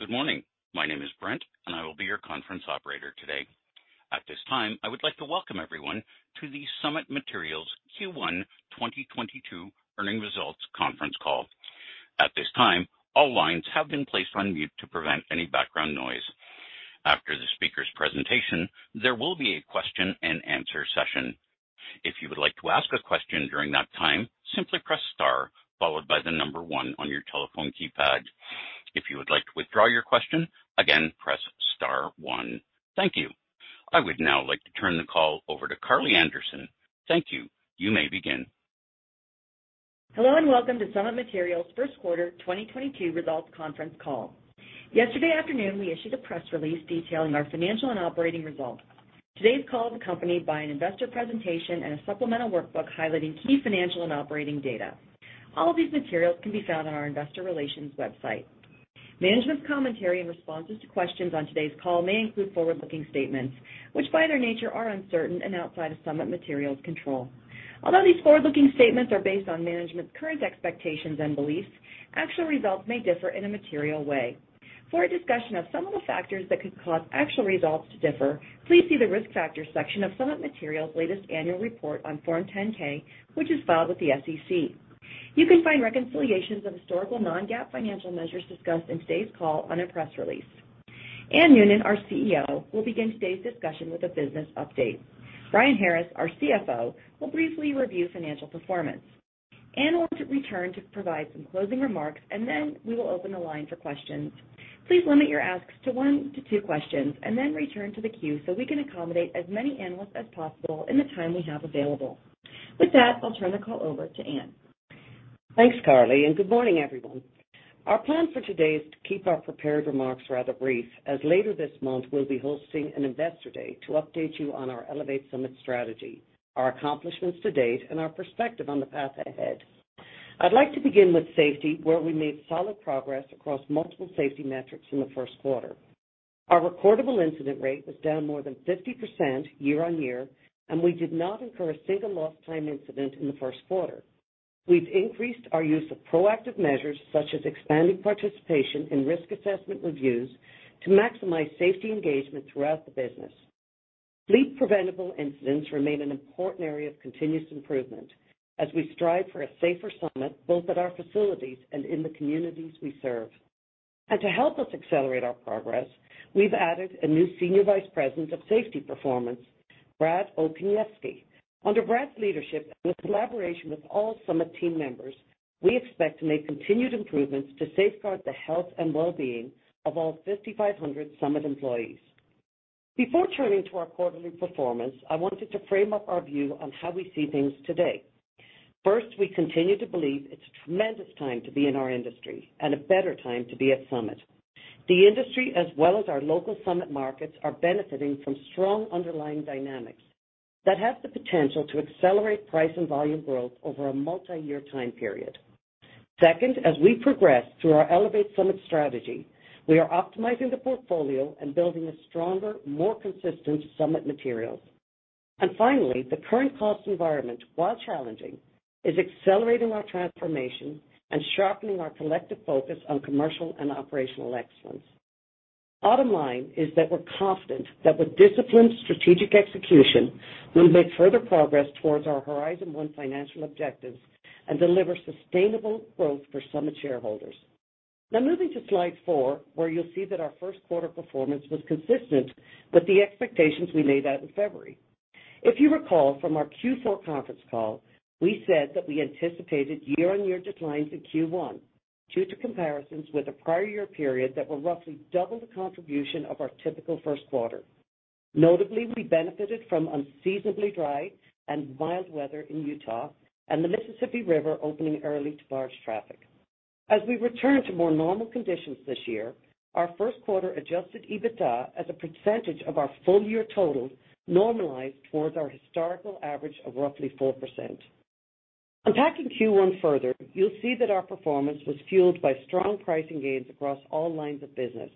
Good morning. My name is Brent, and I will be your conference operator today. At this time, I would like to welcome everyone to the Summit Materials Q1 2022 earnings results conference call. At this time, all lines have been placed on mute to prevent any background noise. After the speaker's presentation, there will be a question-and-answer session. If you would like to ask a question during that time, simply press star followed by one on your telephone keypad. If you would like to withdraw your question, again, press star one. Thank you. I would now like to turn the call over to Karli Anderson. Thank you. You may begin. Hello and welcome to Summit Materials first quarter 2022 results conference call. Yesterday afternoon, we issued a press release detailing our financial and operating results. Today's call is accompanied by an investor presentation and a supplemental workbook highlighting key financial and operating data. All of these materials can be found on our investor relations website. Management's commentary and responses to questions on today's call may include forward-looking statements, which by their nature are uncertain and outside of Summit Materials control. Although these forward-looking statements are based on management's current expectations and beliefs, actual results may differ in a material way. For a discussion of some of the factors that could cause actual results to differ, please see the Risk Factors section of Summit Materials' latest annual report on Form 10-K, which is filed with the SEC. You can find reconciliations of historical non-GAAP financial measures discussed in today's call on our press release. Anne Noonan, our CEO, will begin today's discussion with a business update. Brian Harris, our CFO, will briefly review financial performance. Anne will return to provide some closing remarks, and then we will open the line for questions. Please limit your asks to one to two questions and then return to the queue so we can accommodate as many analysts as possible in the time we have available. With that, I'll turn the call over to Anne. Thanks, Karli, and good morning, everyone. Our plan for today is to keep our prepared remarks rather brief, as later this month we'll be hosting an investor day to update you on our Elevate Summit strategy, our accomplishments to date, and our perspective on the path ahead. I'd like to begin with safety, where we made solid progress across multiple safety metrics in the first quarter. Our recordable incident rate was down more than 50% year-over-year, and we did not incur a single lost time incident in the first quarter. We've increased our use of proactive measures such as expanding participation in risk assessment reviews to maximize safety engagement throughout the business. Fleet-preventable incidents remain an important area of continuous improvement as we strive for a safer Summit both at our facilities and in the communities we serve. To help us accelerate our progress, we've added a new Senior Vice President of Safety Performance, Bradley Okoniewski. Under Bradley's leadership and collaboration with all Summit team members, we expect to make continued improvements to safeguard the health and well-being of all 5,500 Summit employees. Before turning to our quarterly performance, I wanted to frame up our view on how we see things today. First, we continue to believe it's a tremendous time to be in our industry and a better time to be at Summit. The industry as well as our local Summit markets are benefiting from strong underlying dynamics that have the potential to accelerate price and volume growth over a multi-year time period. Second, as we progress through our Elevate Summit strategy, we are optimizing the portfolio and building a stronger, more consistent Summit Materials. Finally, the current cost environment, while challenging, is accelerating our transformation and sharpening our collective focus on commercial and operational excellence. Bottom line is that we're confident that with disciplined strategic execution, we'll make further progress towards our Horizon One financial objectives and deliver sustainable growth for Summit shareholders. Now moving to slide four, where you'll see that our first quarter performance was consistent with the expectations we laid out in February. If you recall from our Q4 conference call, we said that we anticipated year-on-year declines in Q1 due to comparisons with the prior year period that were roughly double the contribution of our typical first quarter. Notably, we benefited from unseasonably dry and mild weather in Utah and the Mississippi River opening early to barge traffic. As we return to more normal conditions this year, our first quarter adjusted EBITDA as a percentage of our full year total normalized towards our historical average of roughly 4%. Unpacking Q1 further, you'll see that our performance was fueled by strong pricing gains across all lines of business,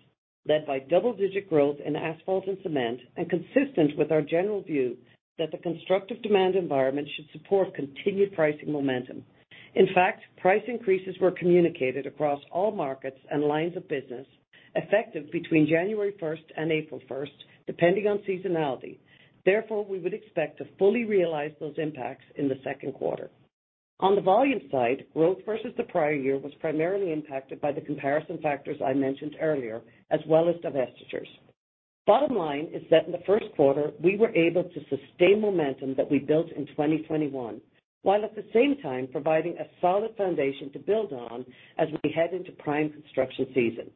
led by double-digit growth in asphalt and cement and consistent with our general view that the constructive demand environment should support continued pricing momentum. In fact, price increases were communicated across all markets and lines of business effective between January 1st and April 1st, depending on seasonality. Therefore, we would expect to fully realize those impacts in the second quarter. On the volume side, growth versus the prior year was primarily impacted by the comparison factors I mentioned earlier as well as divestitures. Bottom line is that in the first quarter, we were able to sustain momentum that we built in 2021, while at the same time providing a solid foundation to build on as we head into prime construction season.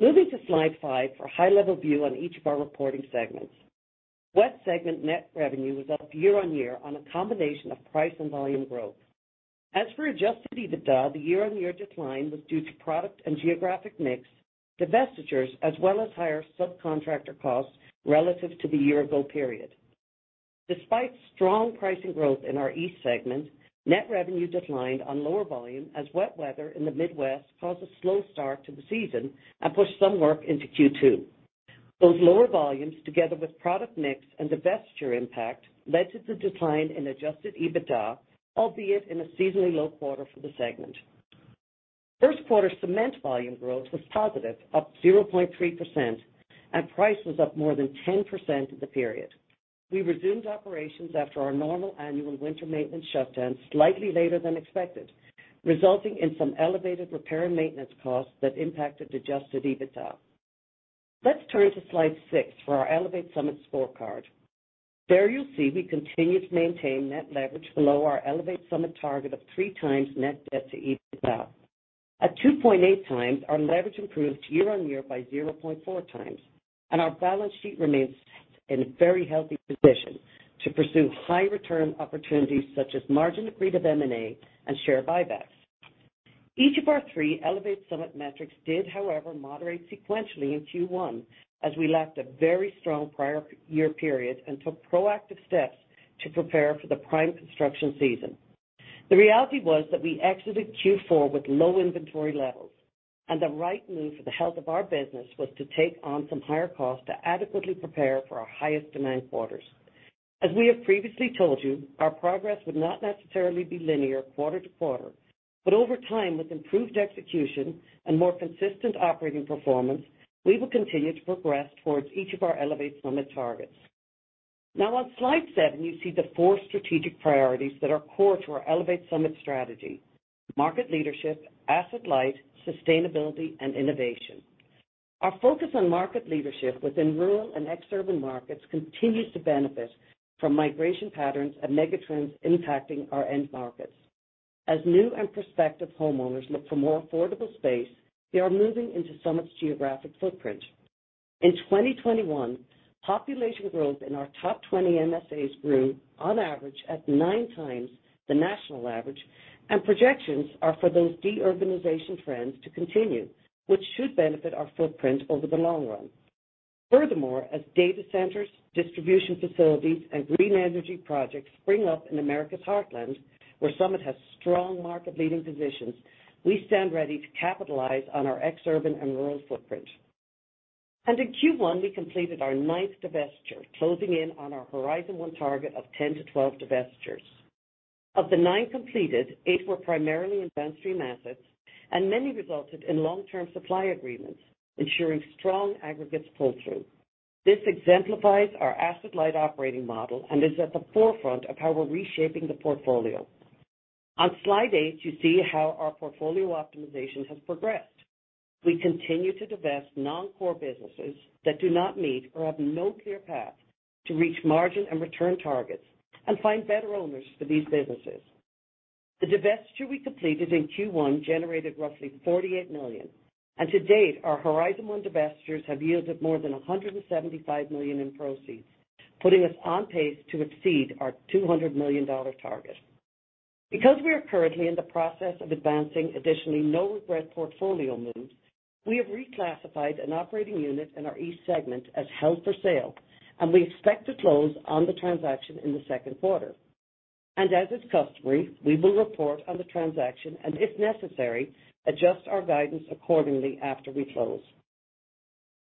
Moving to slide five for a high-level view on each of our reporting segments. West segment net revenue was up year-on-year on a combination of price and volume growth. As for adjusted EBITDA, the year-on-year decline was due to product and geographic mix, divestitures, as well as higher subcontractor costs relative to the year-ago period. Despite strong pricing growth in our East segment, net revenue declined on lower volume as wet weather in the Midwest caused a slow start to the season and pushed some work into Q2. Those lower volumes, together with product mix and divestiture impact, led to the decline in adjusted EBITDA, albeit in a seasonally low quarter for the segment. First quarter cement volume growth was positive, up 0.3%, and price was up more than 10% in the period. We resumed operations after our normal annual winter maintenance shutdown slightly later than expected, resulting in some elevated repair and maintenance costs that impacted adjusted EBITDA. Let's turn to slide six for our Elevate Summit scorecard. There you'll see we continue to maintain net leverage below our Elevate Summit target of 3x net debt to EBITDA. At 2.8x, our leverage improved year-on-year by 0.4x, and our balance sheet remains in a very healthy position to pursue high return opportunities such as margin-accretive M&A and share buybacks. Each of our three Elevate Summit metrics did, however, moderate sequentially in Q1 as we lacked a very strong prior year period and took proactive steps to prepare for the prime construction season. The reality was that we exited Q4 with low inventory levels and the right move for the health of our business was to take on some higher costs to adequately prepare for our highest demand quarters. As we have previously told you, our progress would not necessarily be linear quarter-to-quarter, but over time, with improved execution and more consistent operating performance, we will continue to progress towards each of our Elevate Summit targets. Now on slide seven, you see the four strategic priorities that are core to our Elevate Summit strategy. Market leadership, asset-light, sustainability, and innovation. Our focus on market leadership within rural and exurban markets continues to benefit from migration patterns and megatrends impacting our end markets. As new and prospective homeowners look for more affordable space, they are moving into Summit's geographic footprint. In 2021, population growth in our top 20 MSAs grew on average at 9x the national average, and projections are for those deurbanization trends to continue, which should benefit our footprint over the long run. Furthermore, as data centers, distribution facilities, and green energy projects spring up in America's heartland, where Summit has strong market-leading positions, we stand ready to capitalize on our exurban and rural footprint. In Q1, we completed our ninth divestiture, closing in on our Horizon One target of 10-12 divestitures. Of the nine completed, eight were primarily in downstream assets, and many resulted in long-term supply agreements, ensuring strong aggregates pull-through. This exemplifies our asset-light operating model and is at the forefront of how we're reshaping the portfolio. On slide eight, you see how our portfolio optimization has progressed. We continue to divest non-core businesses that do not meet or have no clear path to reach margin and return targets and find better owners for these businesses. The divestiture we completed in Q1 generated roughly $48 million, and to date, our Horizon One divestitures have yielded more than $175 million in proceeds, putting us on pace to exceed our $200 million target. Because we are currently in the process of advancing additionally no-regret portfolio moves, we have reclassified an operating unit in our East segment as held for sale, and we expect to close on the transaction in the second quarter. As is customary, we will report on the transaction and if necessary, adjust our guidance accordingly after we close.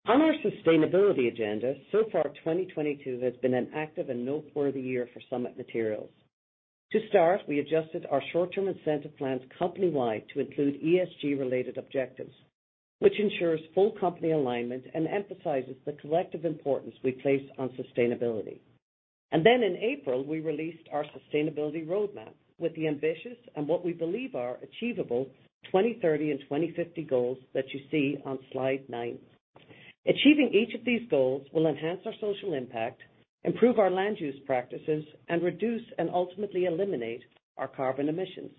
On our sustainability agenda, so far, 2022 has been an active and noteworthy year for Summit Materials. To start, we adjusted our short-term incentive plans company-wide to include ESG-related objectives, which ensures full company alignment and emphasizes the collective importance we place on sustainability. In April, we released our sustainability roadmap with the ambitious and what we believe are achievable 2030 and 2050 goals that you see on slide nine. Achieving each of these goals will enhance our social impact, improve our land use practices, and reduce and ultimately eliminate our carbon emissions.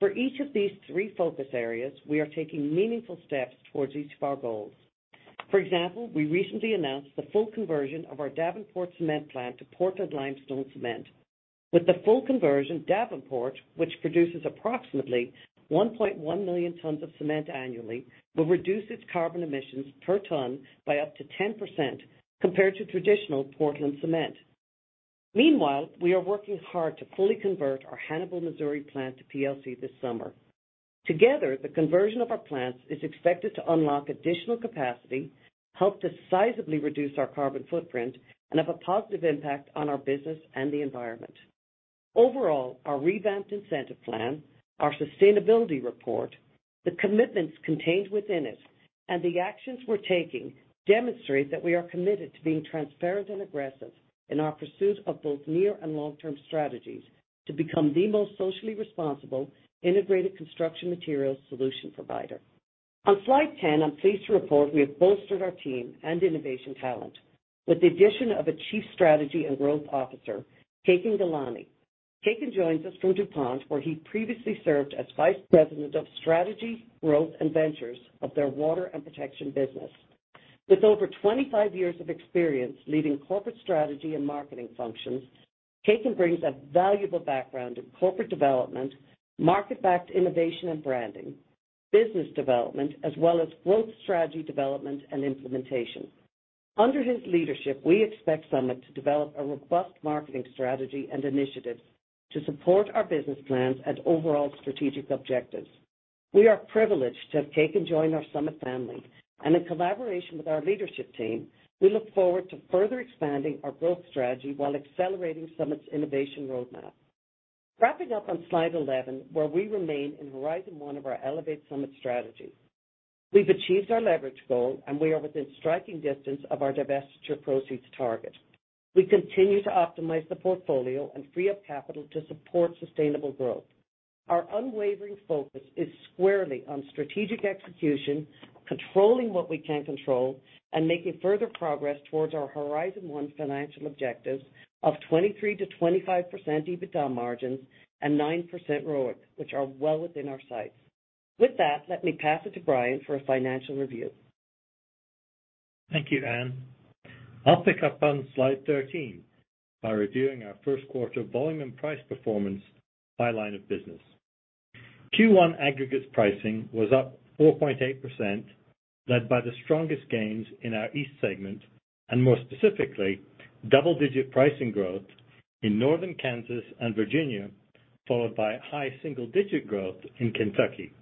For each of these three focus areas, we are taking meaningful steps towards each of our goals. For example, we recently announced the full conversion of our Davenport cement plant to Portland Limestone Cement. With the full conversion, Davenport, which produces approximately 1.1 million tons of cement annually, will reduce its carbon emissions per ton by up to 10% compared to traditional Portland cement. Meanwhile, we are working hard to fully convert our Hannibal, Missouri plant to PLC this summer. Together, the conversion of our plants is expected to unlock additional capacity, help to sizably reduce our carbon footprint, and have a positive impact on our business and the environment. Overall, our revamped incentive plan, our sustainability report, the commitments contained within it, and the actions we're taking demonstrate that we are committed to being transparent and aggressive in our pursuit of both near and long-term strategies to become the most socially responsible integrated construction materials solution provider. On slide 10, I'm pleased to report we have bolstered our team and innovation talent with the addition of a Chief Strategy and Growth Officer, Kekin Ghelani. Kekin joins us from DuPont, where he previously served as Vice President of Strategy, Growth and Ventures of their Water and Protection business. With over 25 years of experience leading corporate strategy and marketing functions, Kekin brings a valuable background in corporate development, market-backed innovation and branding, business development, as well as growth strategy development and implementation. Under his leadership, we expect Summit to develop a robust marketing strategy and initiative to support our business plans and overall strategic objectives. We are privileged to have Kekin join our Summit family, and in collaboration with our leadership team, we look forward to further expanding our growth strategy while accelerating Summit's innovation roadmap. Wrapping up on slide 11, where we remain in Horizon One of our Elevate Summit strategy. We've achieved our leverage goal, and we are within striking distance of our divestiture proceeds target. We continue to optimize the portfolio and free up capital to support sustainable growth. Our unwavering focus is squarely on strategic execution, controlling what we can control, and making further progress towards our Horizon One financial objectives of 23%-25% EBITDA margins and 9% ROIC, which are well within our sights. With that, let me pass it to Brian for a financial review. Thank you, Anne. I'll pick up on slide 13 by reviewing our first quarter volume and price performance by line of business. Q1 aggregates pricing was up 4.8%, led by the strongest gains in our East segment, and more specifically, double-digit pricing growth in Northern Kansas and Virginia, followed by high single-digit growth in Kentucky.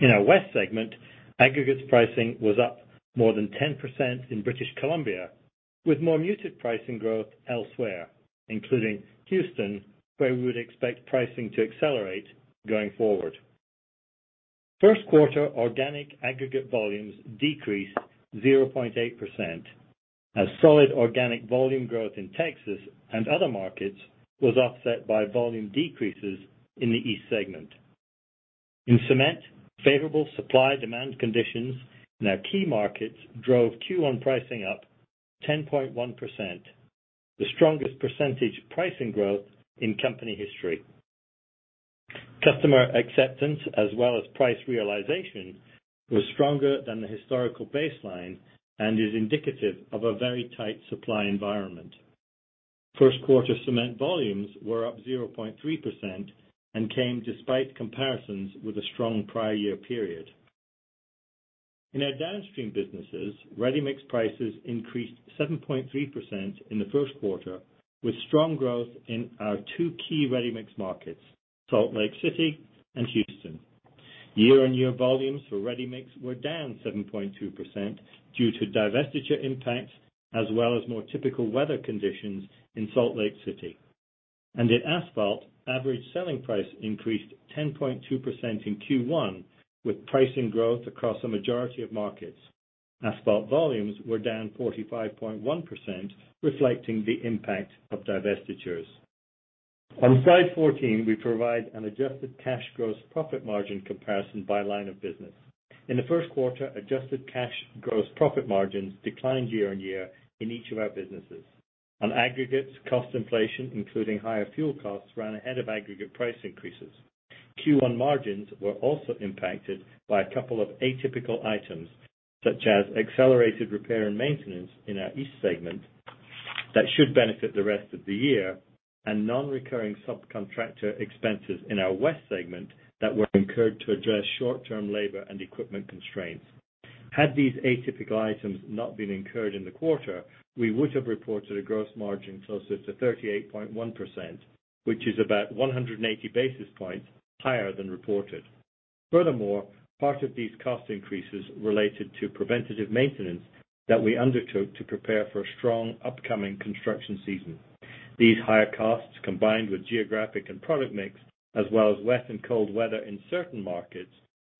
In our West segment, aggregates pricing was up more than 10% in British Columbia, with more muted pricing growth elsewhere, including Houston, where we would expect pricing to accelerate going forward. First quarter organic aggregate volumes decreased 0.8% as solid organic volume growth in Texas and other markets was offset by volume decreases in the East segment. In cement, favorable supply-demand conditions in our key markets drove Q1 pricing up 10.1%, the strongest percentage pricing growth in company history. Customer acceptance as well as price realization was stronger than the historical baseline and is indicative of a very tight supply environment. First quarter cement volumes were up 0.3% and came despite comparisons with a strong prior year period. In our downstream businesses, ready-mix prices increased 7.3% in the first quarter, with strong growth in our two key ready-mix markets, Salt Lake City and Houston. Year-on-year volumes for ready-mix were down 7.2% due to divestiture impacts as well as more typical weather conditions in Salt Lake City. In asphalt, average selling price increased 10.2% in Q1 with pricing growth across a majority of markets. Asphalt volumes were down 45.1%, reflecting the impact of divestitures. On slide 14, we provide an adjusted cash gross profit margin comparison by line of business. In the first quarter, adjusted cash gross profit margins declined year-on-year in each of our businesses. On aggregates, cost inflation, including higher fuel costs, ran ahead of aggregate price increases. Q1 margins were also impacted by a couple of atypical items, such as accelerated repair and maintenance in our East segment that should benefit the rest of the year, and non-recurring subcontractor expenses in our West segment that were incurred to address short-term labor and equipment constraints. Had these atypical items not been incurred in the quarter, we would have reported a gross margin closer to 38.1%, which is about 180 basis points higher than reported. Furthermore, part of these cost increases related to preventative maintenance that we undertook to prepare for a strong upcoming construction season. These higher costs, combined with geographic and product mix, as well as wet and cold weather in certain markets,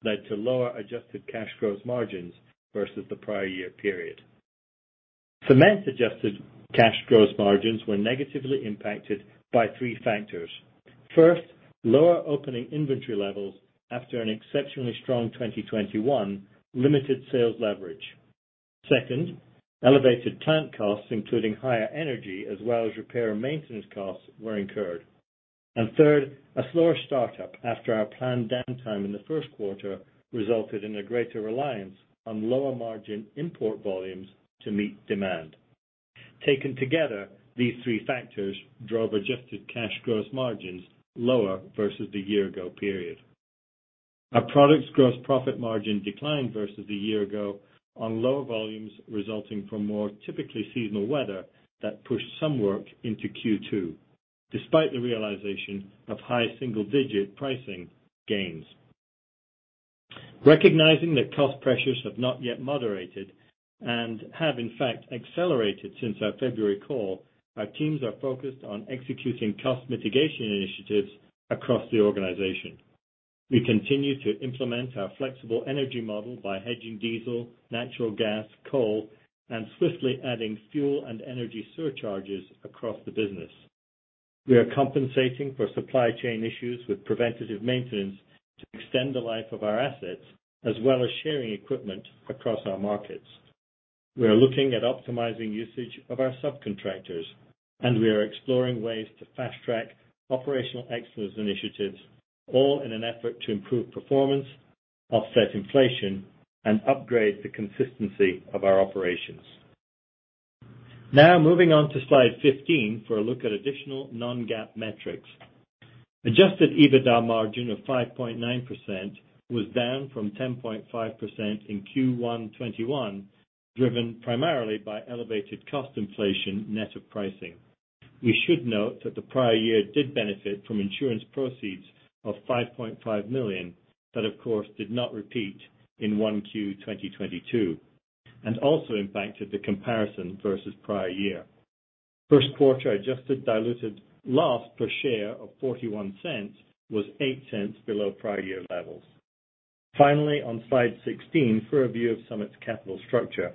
led to lower adjusted cash gross margins versus the prior year period. Cement adjusted cash gross margins were negatively impacted by three factors. First, lower opening inventory levels after an exceptionally strong 2021 limited sales leverage. Second, elevated plant costs, including higher energy as well as repair and maintenance costs, were incurred. Third, a slower startup after our planned downtime in the first quarter resulted in a greater reliance on lower margin import volumes to meet demand. Taken together, these three factors drove adjusted cash gross margins lower versus the year ago period. Our products gross profit margin declined versus the year ago on lower volumes resulting from more typically seasonal weather that pushed some work into Q2, despite the realization of high single-digit pricing gains. Recognizing that cost pressures have not yet moderated and have in fact accelerated since our February call, our teams are focused on executing cost mitigation initiatives across the organization. We continue to implement our flexible energy model by hedging diesel, natural gas, coal, and swiftly adding fuel and energy surcharges across the business. We are compensating for supply chain issues with preventative maintenance to extend the life of our assets, as well as sharing equipment across our markets. We are looking at optimizing usage of our subcontractors, and we are exploring ways to fast-track operational excellence initiatives, all in an effort to improve performance, offset inflation, and upgrade the consistency of our operations. Now moving on to slide 15 for a look at additional non-GAAP metrics. Adjusted EBITDA margin of 5.9% was down from 10.5% in Q1 2021, driven primarily by elevated cost inflation net of pricing. We should note that the prior year did benefit from insurance proceeds of $5.5 million that of course did not repeat in 1Q 2022, and also impacted the comparison versus prior year. First quarter adjusted diluted loss per share of $0.41 was $0.08 below prior year levels. Finally, on slide 16 for a view of Summit's capital structure.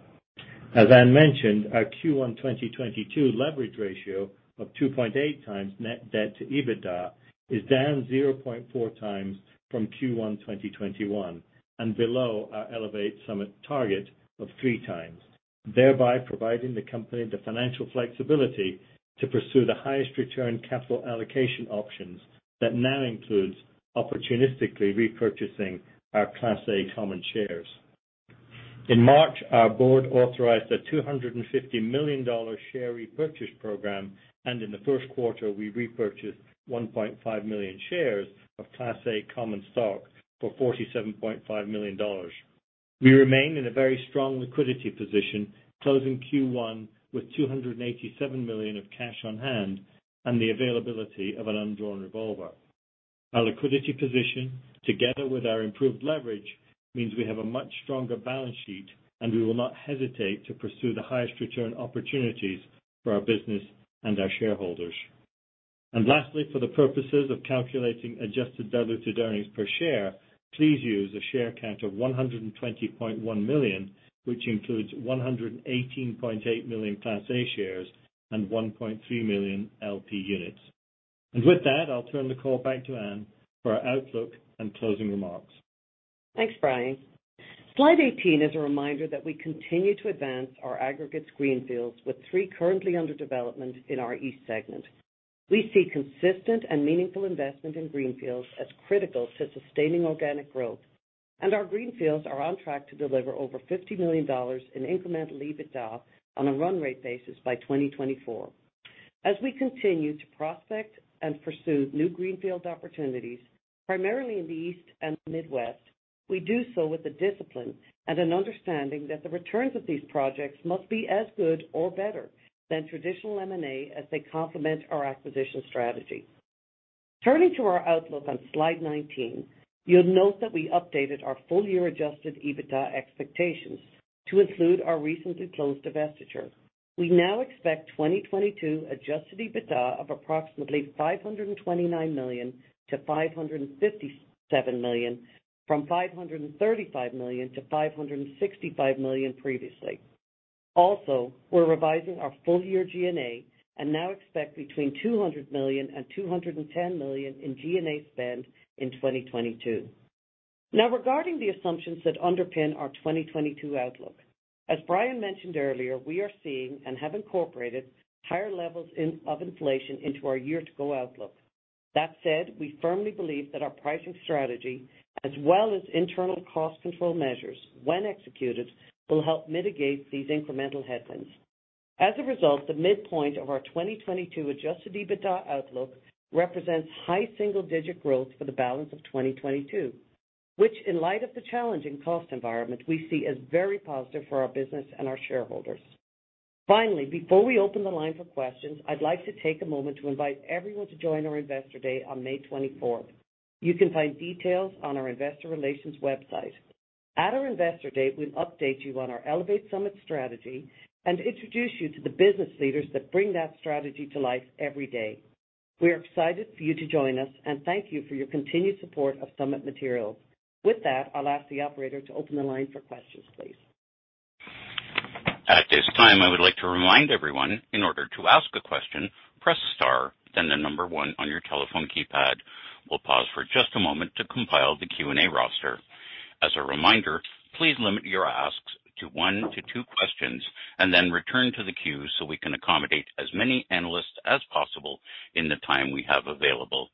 As Anne mentioned, our Q1 2022 leverage ratio of 2.8x net debt to EBITDA is down 0.4x from Q1 2021 and below our Elevate Summit target of 3x, thereby providing the company the financial flexibility to pursue the highest return capital allocation options that now includes opportunistically repurchasing our Class A common shares. In March, our board authorized a $250 million share repurchase program, and in the first quarter we repurchased 1.5 million shares of Class A common stock for $47.5 million. We remain in a very strong liquidity position, closing Q1 with $287 million of cash on hand and the availability of an undrawn revolver. Our liquidity position, together with our improved leverage, means we have a much stronger balance sheet, and we will not hesitate to pursue the highest return opportunities for our business and our shareholders. Lastly, for the purposes of calculating adjusted diluted earnings per share, please use a share count of 120.1 million, which includes 118.8 million Class A shares and 1.3 million LP units. With that, I'll turn the call back to Anne for our outlook and closing remarks. Thanks, Brian. Slide 18 is a reminder that we continue to advance our aggregates greenfields, with three currently under development in our East segment. We see consistent and meaningful investment in greenfields as critical to sustaining organic growth. Our greenfields are on track to deliver over $50 million in incremental EBITDA on a run rate basis by 2024. As we continue to prospect and pursue new greenfield opportunities, primarily in the East and the Midwest, we do so with the discipline and an understanding that the returns of these projects must be as good or better than traditional M&A as they complement our acquisition strategy. Turning to our outlook on slide 19, you'll note that we updated our full-year adjusted EBITDA expectations to include our recently closed divestiture. We now expect 2022 adjusted EBITDA of approximately $529 million-$557 million, from $535 million-$565 million previously. Also, we're revising our full year G&A and now expect between $200 million and $210 million in G&A spend in 2022. Now regarding the assumptions that underpin our 2022 outlook. As Brian mentioned earlier, we are seeing and have incorporated higher levels of inflation into our year-to-go outlook. That said, we firmly believe that our pricing strategy as well as internal cost control measures when executed will help mitigate these incremental headwinds. As a result, the midpoint of our 2022 adjusted EBITDA outlook represents high single-digit growth for the balance of 2022, which in light of the challenging cost environment we see as very positive for our business and our shareholders. Finally, before we open the line for questions, I'd like to take a moment to invite everyone to join our Investor Day on May 24. You can find details on our investor relations website. At our Investor Day, we'll update you on our Elevate Summit strategy and introduce you to the business leaders that bring that strategy to life every day. We are excited for you to join us, and thank you for your continued support of Summit Materials. With that, I'll ask the operator to open the line for questions, please. At this time, I would like to remind everyone, in order to ask a question, press star then the number one on your telephone keypad. We'll pause for just a moment to compile the Q&A roster. As a reminder, please limit your asks to one to two questions and then return to the queue so we can accommodate as many analysts as possible in the time we have available.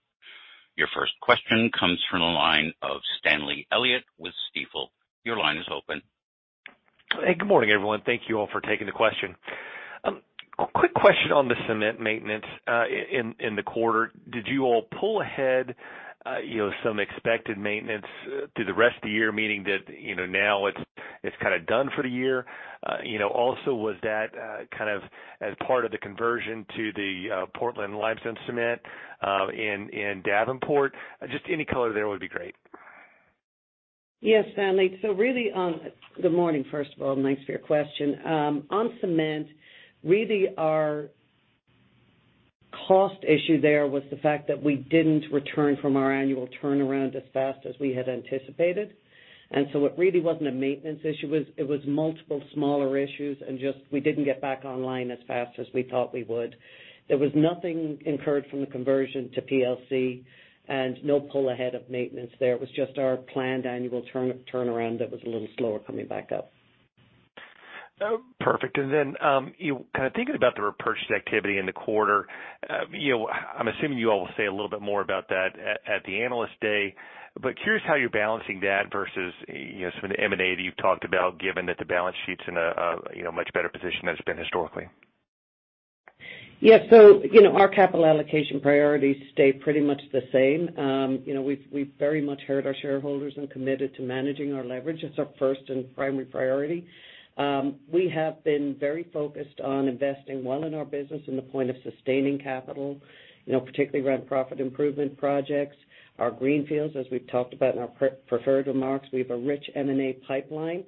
Your first question comes from the line of Stanley Elliott with Stifel. Your line is open. Hey, good morning, everyone. Thank you all for taking the question. Quick question on the cement maintenance in the quarter. Did you all pull ahead, you know, some expected maintenance through the rest of the year, meaning that, you know, now it's kinda done for the year? You know, also, was that kind of as part of the conversion to the Portland Limestone Cement in Davenport? Just any color there would be great. Yes, Stanley. Good morning, first of all, and thanks for your question. On cement, really our cost issue there was the fact that we didn't return from our annual turnaround as fast as we had anticipated. It really wasn't a maintenance issue, it was multiple smaller issues and just we didn't get back online as fast as we thought we would. There was nothing incurred from the conversion to PLC and no pull ahead of maintenance there. It was just our planned annual turnaround that was a little slower coming back up. Perfect. Then, kind of thinking about the repurchase activity in the quarter, you know, I'm assuming you all will say a little bit more about that at the Analyst Day, but curious how you're balancing that versus, you know, some of the M&A that you've talked about, given that the balance sheet's in a much better position than it's been historically. Yeah, our capital allocation priorities stay pretty much the same. You know, we've very much heard our shareholders and committed to managing our leverage. It's our first and primary priority. We have been very focused on investing well in our business in the form of sustaining capital, you know, particularly around profit improvement projects. Our greenfields, as we've talked about in our prepared remarks, we have a rich M&A pipeline.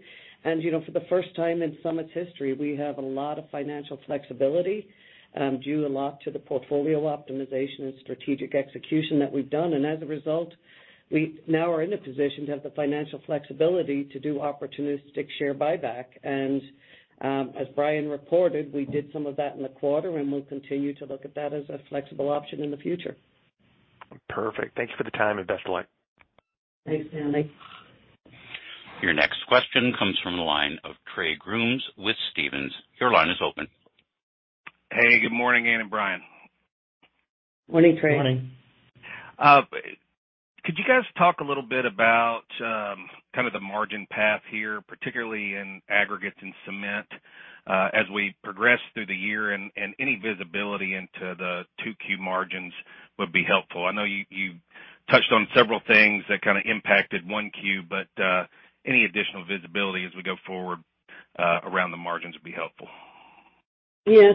You know, for the first time in Summit's history, we have a lot of financial flexibility, due a lot to the portfolio optimization and strategic execution that we've done. As a result, we now are in a position to have the financial flexibility to do opportunistic share buyback. As Brian Harris reported, we did some of that in the quarter, and we'll continue to look at that as a flexible option in the future. Perfect. Thank you for the time and best of luck. Thanks Stanley. Your next question comes from the line of Trey Grooms with Stephens. Your line is open. Hey, good morning Anne and Brian. Morning Trey. Morning. Could you guys talk a little bit about kind of the margin path here, particularly in aggregates and cement, as we progress through the year, and any visibility into the 2Q margins would be helpful. I know you touched on several things that kinda impacted 1Q, but any additional visibility as we go forward around the margins would be helpful. Yeah.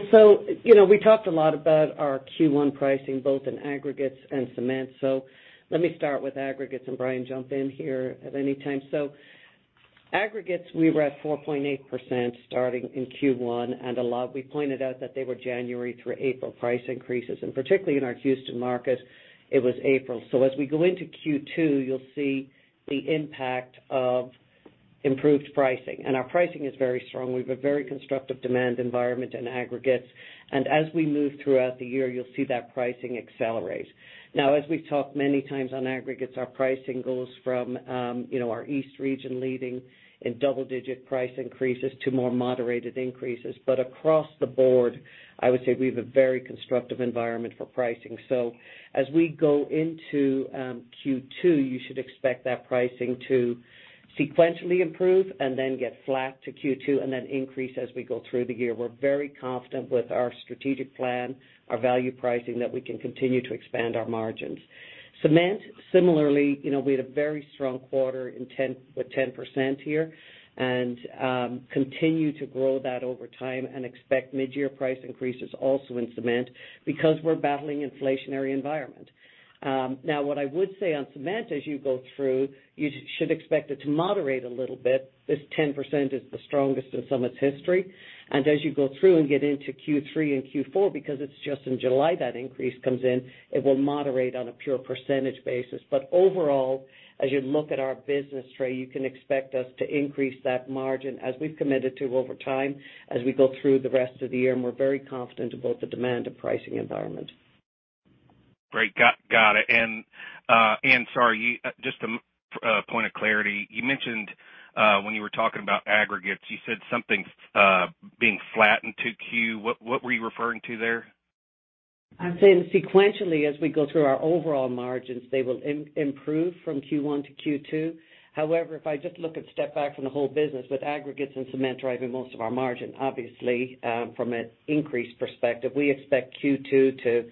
You know, we talked a lot about our Q1 pricing, both in aggregates and cement. Let me start with aggregates, and Brian, jump in here at any time. Aggregates, we were at 4.8% starting in Q1. A lot we pointed out that they were January through April price increases. Particularly in our Houston market, it was April. As we go into Q2, you'll see the impact of improved pricing. Our pricing is very strong. We have a very constructive demand environment in aggregates, and as we move throughout the year, you'll see that pricing accelerate. Now, as we've talked many times on aggregates, our pricing goes from, you know, our east region leading in double-digit price increases to more moderated increases. Across the board, I would say we have a very constructive environment for pricing. As we go into Q2, you should expect that pricing to sequentially improve and then get flat to Q2 and then increase as we go through the year. We're very confident with our strategic plan, our value pricing, that we can continue to expand our margins. Cement similarly, you know, we had a very strong quarter with 10% here and continue to grow that over time and expect mid-year price increases also in cement because we're battling inflationary environment. Now what I would say on cement, as you go through, you should expect it to moderate a little bit. This 10% is the strongest in Summit's history. As you go through and get into Q3 and Q4, because it's just in July that increase comes in, it will moderate on a pure percentage basis. Overall, as you look at our business, Trey, you can expect us to increase that margin as we've committed to over time as we go through the rest of the year, and we're very confident in both the demand and pricing environment. Great. Got it. Anne, sorry, you just, a point of clarity. You mentioned, when you were talking about aggregates, you said something being flat in 2Q. What were you referring to there? I'm saying sequentially, as we go through our overall margins, they will improve from Q1 to Q2. However, if I just look at step back from the whole business with aggregates and cement driving most of our margin, obviously, from an increased perspective, we expect Q2 to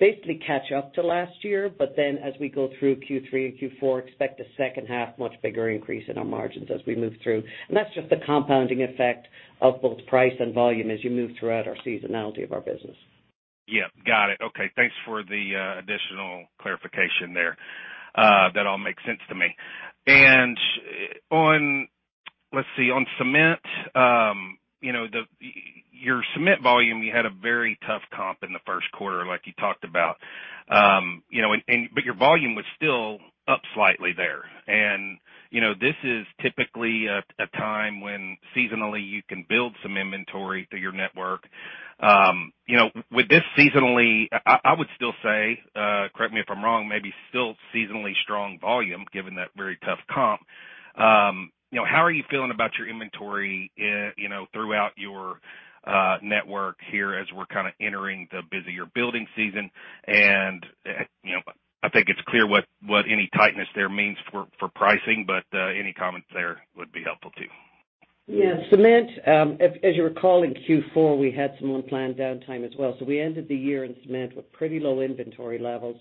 basically catch up to last year, but then as we go through Q3 and Q4, expect a second half, much bigger increase in our margins as we move through. That's just the compounding effect of both price and volume as you move throughout our seasonality of our business. Yeah. Got it. Okay, thanks for the additional clarification there. That all makes sense to me. On, let's see, on cement, you know, your cement volume, you had a very tough comp in the first quarter like you talked about. You know, but your volume was still up slightly there. You know, this is typically a time when seasonally you can build some inventory through your network. You know, with this seasonally, I would still say, correct me if I'm wrong, maybe still seasonally strong volume given that very tough comp. You know, how are you feeling about your inventory, you know, throughout your network here as we're kinda entering the busier building season? You know, I think it's clear what any tightness there means for pricing, but any comments there would be helpful too. Yeah. Cement, if as you recall in Q4, we had some unplanned downtime as well. We ended the year in cement with pretty low inventory levels.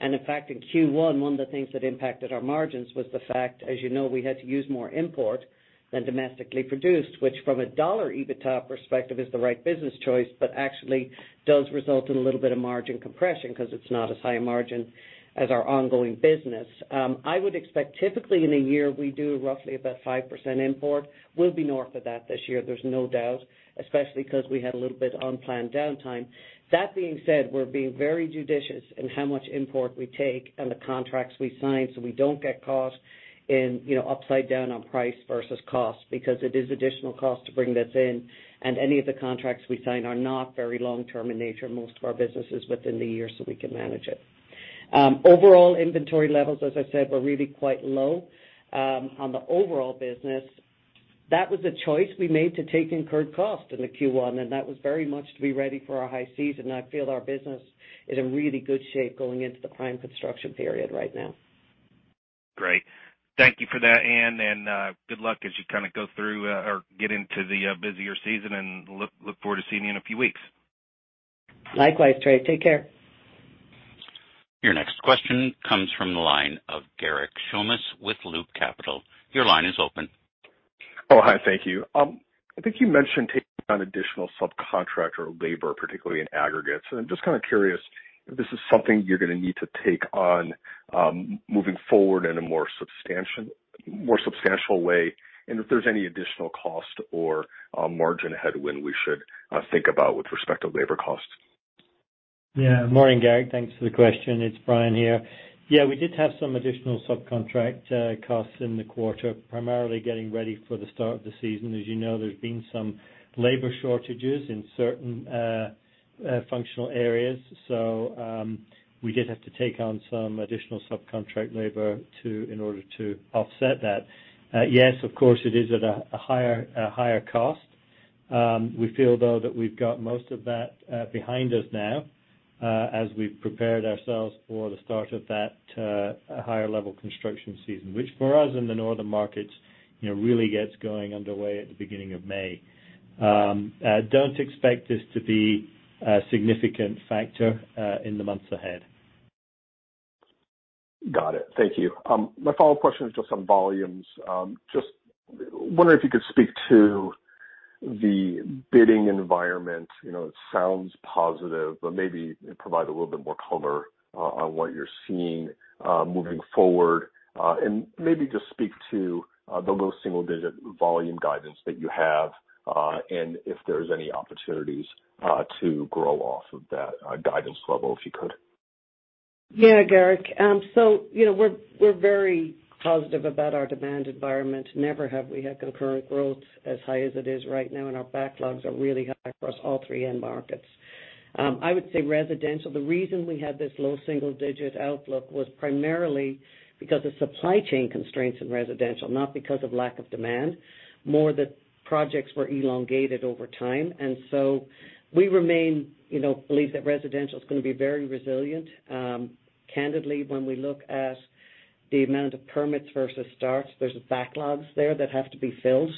In fact, in Q1, one of the things that impacted our margins was the fact, as you know, we had to use more import than domestically produced, which from a dollar EBITDA perspective is the right business choice, but actually does result in a little bit of margin compression 'cause it's not as high a margin as our ongoing business. I would expect typically in a year, we do roughly about 5% import. We'll be north of that this year, there's no doubt, especially 'cause we had a little bit of unplanned downtime. That being said, we're being very judicious in how much import we take and the contracts we sign, so we don't get caught in, you know, upside down on price versus cost because it is additional cost to bring this in, and any of the contracts we sign are not very long-term in nature. Most of our business is within the year, so we can manage it. Overall inventory levels, as I said, were really quite low. On the overall business, that was a choice we made to take incurred cost into Q1, and that was very much to be ready for our high season. I feel our business is in really good shape going into the prime construction period right now. Great. Thank you for that, Anne, and good luck as you kind of go through or get into the busier season, and look forward to seeing you in a few weeks. Likewise Trey. Take care. Your next question comes from the line of Garik Shmois with Loop Capital. Your line is open. Oh, hi. Thank you. I think you mentioned taking on additional subcontractor labor, particularly in aggregates. I'm just kinda curious if this is something you're gonna need to take on, moving forward in a more substantial way, and if there's any additional cost or margin headwind we should think about with respect to labor costs? Yeah. Morning, Garik. Thanks for the question. It's Brian here. Yeah, we did have some additional subcontract costs in the quarter, primarily getting ready for the start of the season. As you know, there's been some labor shortages in certain functional areas, so we did have to take on some additional subcontract labor to in order to offset that. Yes, of course, it is at a higher cost. We feel though that we've got most of that behind us now as we've prepared ourselves for the start of that higher level construction season, which for us in the northern markets, you know, really gets going underway at the beginning of May. Don't expect this to be a significant factor in the months ahead. Got it. Thank you. My follow-up question is just on volumes. Just wondering if you could speak to the bidding environment. You know, it sounds positive, but maybe provide a little bit more color on what you're seeing moving forward. Maybe just speak to the low single-digit volume guidance that you have, and if there's any opportunities to grow off of that guidance level, if you could? Yeah, Garik. So, you know, we're very positive about our demand environment. Never have we had concurrent growth as high as it is right now, and our backlogs are really high across all three end markets. I would say residential, the reason we had this low single-digit outlook was primarily because of supply chain constraints in residential, not because of lack of demand. More the projects were elongated over time. We remain, you know, believe that residential is gonna be very resilient. Candidly, when we look at the amount of permits versus starts, there's backlogs there that have to be filled.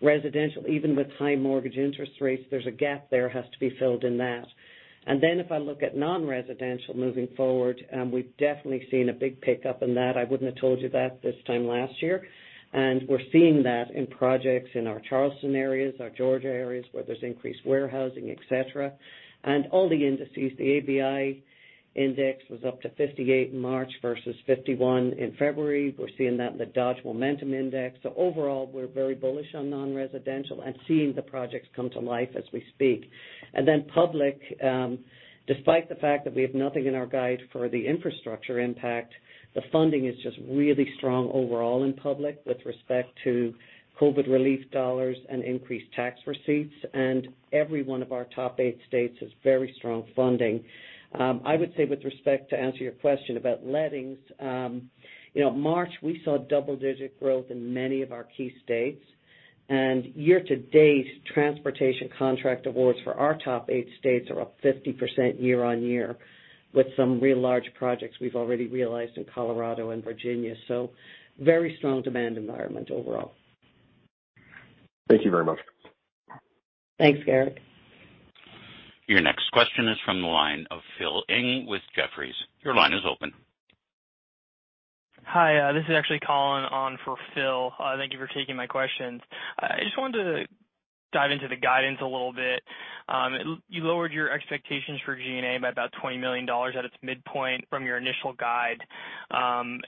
Residential, even with high mortgage interest rates, there's a gap there has to be filled in that. If I look at non-residential moving forward, we've definitely seen a big pickup in that. I wouldn't have told you that this time last year. We're seeing that in projects in our Charleston areas, our Georgia areas, where there's increased warehousing, et cetera. All the indices, the ABI index was up to 58 in March versus 51 in February. We're seeing that in the Dodge Momentum Index. Overall, we're very bullish on non-residential and seeing the projects come to life as we speak. Public, despite the fact that we have nothing in our guide for the infrastructure impact, the funding is just really strong overall in public with respect to COVID relief dollars and increased tax receipts. Every one of our top eight states has very strong funding. I would say with respect to answer your question about lettings, you know, March, we saw double digit growth in many of our key states. Year to date, transportation contract awards for our top eight states are up 50% year-over-year with some real large projects we've already realized in Colorado and Virginia. Very strong demand environment overall. Thank you very much. Thanks Garik. Your next question is from the line of Phil Ng with Jefferies. Your line is open. Hi, this is actually Colin on for Phil. Thank you for taking my questions. I just wanted to dive into the guidance a little bit. You lowered your expectations for G&A by about $20 million at its midpoint from your initial guide,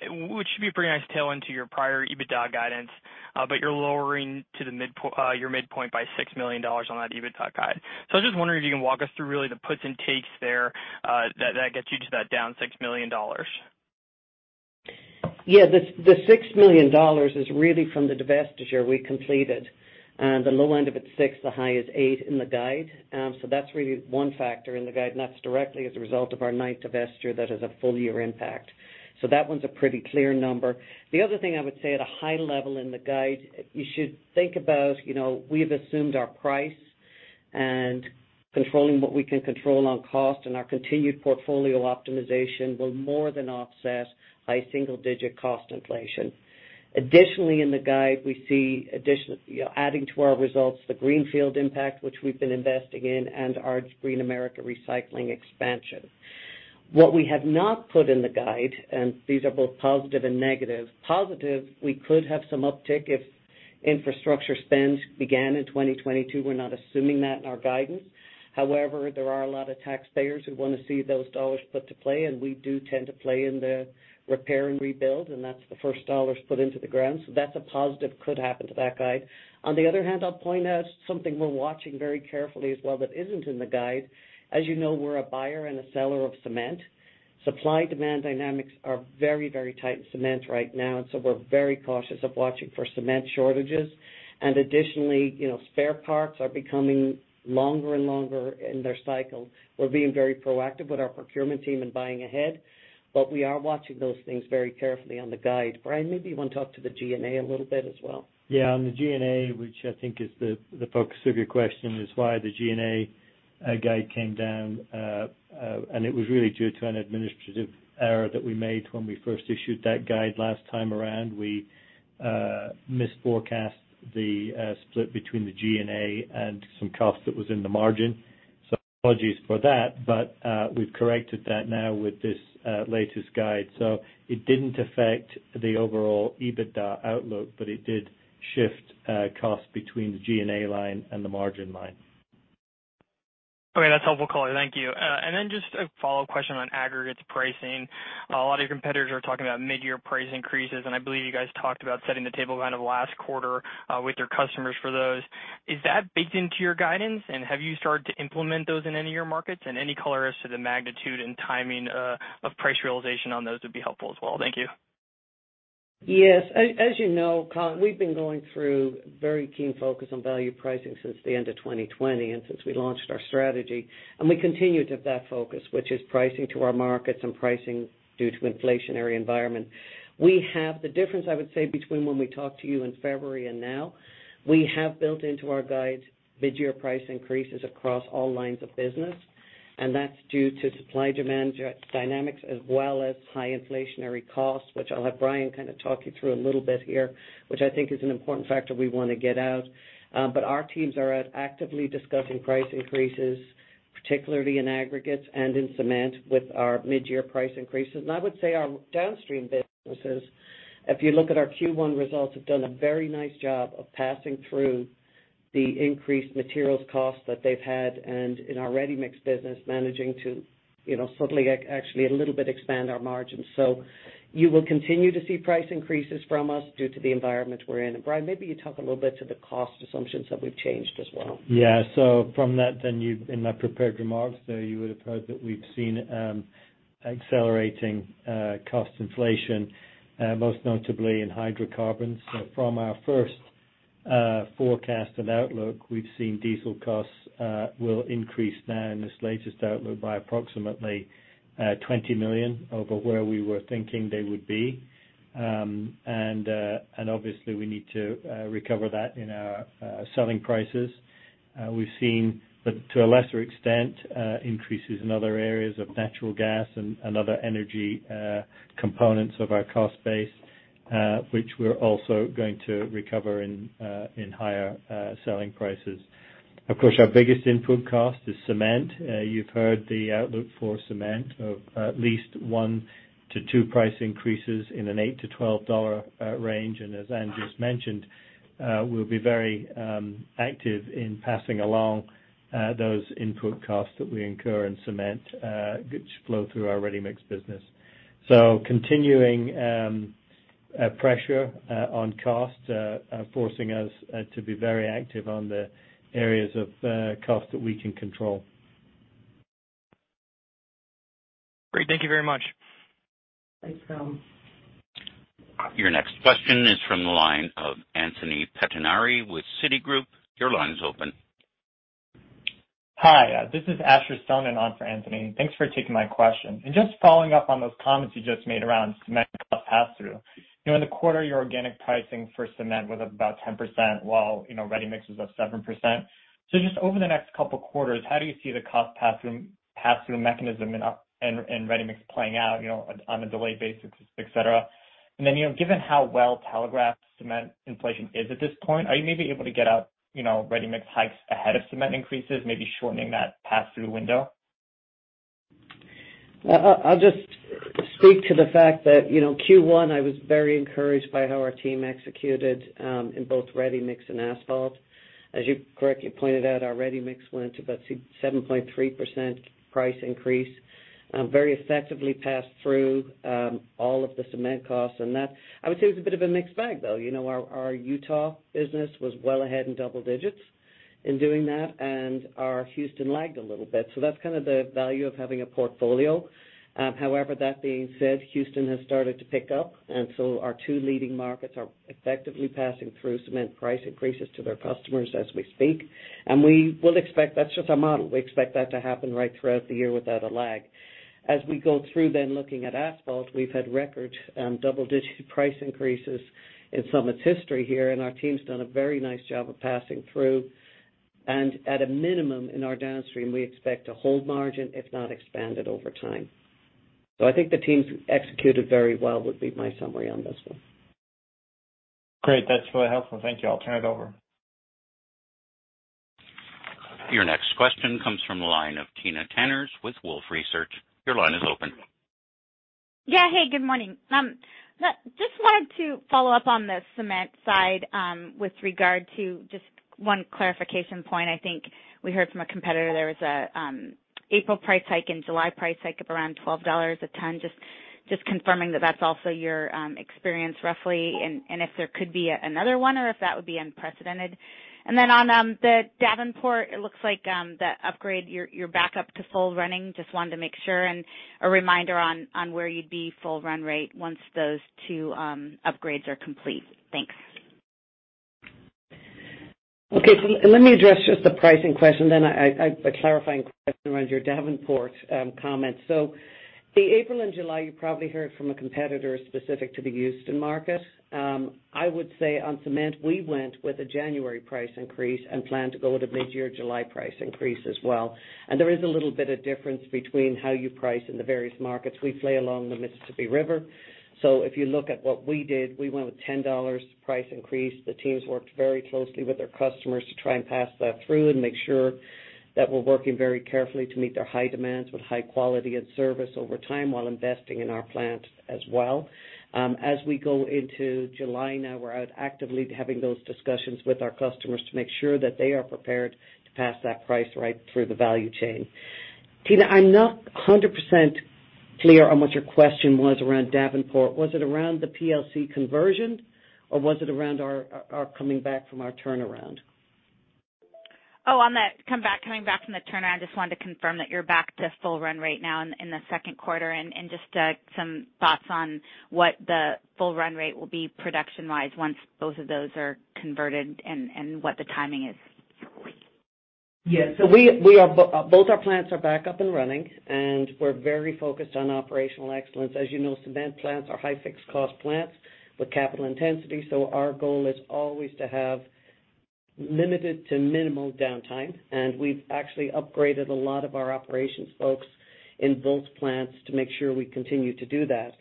which should be a pretty nice tailwind to your prior EBITDA guidance, but you're lowering your midpoint by $6 million on that EBITDA guide. I was just wondering if you can walk us through really the puts and takes there, that gets you to that down $6 million? Yeah. The $6 million is really from the divestiture we completed. The low end of it's six, the high is eight in the guide. So that's really one factor in the guide, and that's directly as a result of our ninth divestiture that is a full year impact. So that one's a pretty clear number. The other thing I would say at a high level in the guide, you should think about, you know, we have assumed our price and controlling what we can control on cost and our continued portfolio optimization will more than offset high single-digit cost inflation. Additionally, in the guide, we see adding to our results, the greenfield impact, which we've been investing in, and our Green America Recycling expansion. What we have not put in the guide, and these are both positive and negative. Positive, we could have some uptick if infrastructure spends began in 2022. We're not assuming that in our guidance. However, there are a lot of taxpayers who wanna see those dollars put to play, and we do tend to play in the repair and rebuild, and that's the first dollars put into the ground. That's a positive could happen to that guide. On the other hand, I'll point out something we're watching very carefully as well that isn't in the guide. As you know, we're a buyer and a seller of cement. Supply-demand dynamics are very, very tight in cement right now, and so we're very cautious of watching for cement shortages. Additionally, you know, spare parts are becoming longer and longer in their cycle. We're being very proactive with our procurement team in buying ahead, but we are watching those things very carefully on the guide. Brian, maybe you wanna talk to the G&A a little bit as well. Yeah. On the G&A, which I think is the focus of your question, is why the G&A. Our guide came down, and it was really due to an administrative error that we made when we first issued that guide last time around. We misforecast the split between the G&A and some cost that was in the margin. Apologies for that, but we've corrected that now with this latest guide. It didn't affect the overall EBITDA outlook, but it did shift cost between the G&A line and the margin line. Okay, that's helpful, Colin. Thank you. Just a follow question on aggregates pricing. A lot of your competitors are talking about mid-year price increases, and I believe you guys talked about setting the table kind of last quarter, with your customers for those. Is that baked into your guidance, and have you started to implement those in any of your markets? Any color as to the magnitude and timing, of price realization on those would be helpful as well. Thank you. Yes. As you know, Colin, we've been going through very keen focus on value pricing since the end of 2020 and since we launched our strategy. We continue to have that focus, which is pricing to our markets and pricing due to inflationary environment. We have the difference, I would say, between when we talked to you in February and now. We have built into our guide mid-year price increases across all lines of business, and that's due to supply-demand dynamics as well as high inflationary costs, which I'll have Brian kind of talk you through a little bit here, which I think is an important factor we wanna get out. But our teams are out actively discussing price increases, particularly in aggregates and in cement with our mid-year price increases. I would say our downstream businesses, if you look at our Q1 results, have done a very nice job of passing through the increased materials costs that they've had, and in our ready-mix business, managing to, you know, subtly actually a little bit expand our margins. You will continue to see price increases from us due to the environment we're in. Brian, maybe you talk a little bit to the cost assumptions that we've changed as well. In my prepared remarks there, you would have heard that we've seen accelerating cost inflation, most notably in hydrocarbons. From our first forecast and outlook, we've seen diesel costs will increase now in this latest outlook by approximately $20 million over where we were thinking they would be. Obviously we need to recover that in our selling prices. We've seen, but to a lesser extent, increases in other areas of natural gas and other energy components of our cost base, which we're also going to recover in higher selling prices. Of course, our biggest input cost is cement. You've heard the outlook for cement of at least one to two price increases in an $8-$12 range. As Anne just mentioned, we'll be very active in passing along those input costs that we incur in cement, which flow through our ready-mix business. Continuing pressure on costs are forcing us to be very active on the areas of cost that we can control. Great. Thank you very much. Thanks Colin. Your next question is from the line of Anthony Pettinari with Citigroup. Your line is open. Hi, this is Asher Sohnen in for Anthony Pettinari. Thanks for taking my question. Just following up on those comments you just made around cement cost pass-through. You know, in the quarter, your organic pricing for cement was about 10%, while, you know, ready-mix was up 7%. Just over the next couple quarters, how do you see the cost pass-through mechanism in ready-mix playing out, you know, on a delayed basis, et cetera? Then, you know, given how well telegraphed cement inflation is at this point, are you maybe able to get out, you know, ready-mix hikes ahead of cement increases, maybe shortening that pass-through window? I'll just speak to the fact that, you know, Q1, I was very encouraged by how our team executed in both ready-mix and asphalt. As you correctly pointed out, our ready-mix went about 7.3% price increase very effectively passed through all of the cement costs. That, I would say, was a bit of a mixed bag, though. You know, our Utah business was well ahead in double digits in doing that, and our Houston lagged a little bit. That's kind of the value of having a portfolio. However, that being said, Houston has started to pick up, and so our two leading markets are effectively passing through cement price increases to their customers as we speak. That's just our model. We expect that to happen right throughout the year without a lag. As we go through then looking at asphalt, we've had record, double-digit price increases in some of its history here, and our team's done a very nice job of passing through. At a minimum in our downstream, we expect to hold margin, if not expand it over time. I think the teams executed very well, would be my summary on this one. Great. That's really helpful. Thank you. I'll turn it over. Your next question comes from the line of Timna Tanners with Wolfe Research. Your line is open. Yeah. Hey, good morning. Just wanted to follow up on the cement side with regard to just one clarification point. I think we heard from a competitor there was an April price hike and July price hike of around $12 a ton. Just confirming that that's also your experience roughly, and if there could be another one or if that would be unprecedented. On the Davenport, it looks like the upgrade, you're back up to full running. Just wanted to make sure, and a reminder on where you'd be full run rate once those two upgrades are complete. Thanks. Okay. Let me address just the pricing question then a clarifying question around your Davenport comment. The April and July, you probably heard from a competitor specific to the Houston market. I would say on cement, we went with a January price increase and plan to go with a midyear July price increase as well. And there is a little bit of difference between how you price in the various markets. We play along the Mississippi River, so if you look at what we did, we went with $10 price increase. The teams worked very closely with their customers to try and pass that through and make sure that we're working very carefully to meet their high demands with high quality and service over time while investing in our plant as well. As we go into July now, we're out actively having those discussions with our customers to make sure that they are prepared to pass that price right through the value chain. Timna, I'm not 100% clear on what your question was around Davenport. Was it around the PLC conversion or was it around our coming back from our turnaround? Oh, on that comeback, coming back from the turnaround, just wanted to confirm that you're back to full run rate now in the second quarter. Just some thoughts on what the full run rate will be production-wise once both of those are converted and what the timing is? Yes. Both our plants are back up and running, and we're very focused on operational excellence. As you know, cement plants are high fixed cost plants with capital intensity, so our goal is always to have limited to minimal downtime. We've actually upgraded a lot of our operations folks in both plants to make sure we continue to do that.